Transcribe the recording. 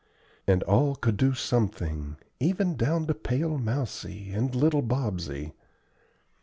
And all could do something, even down to pale Mousie and little Bobsey.